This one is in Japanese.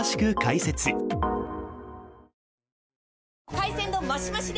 海鮮丼マシマシで！